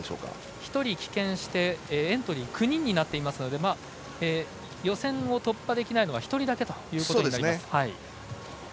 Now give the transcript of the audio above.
１人棄権してエントリー９人になっていますので予選を突破できないのが１人だけとなります。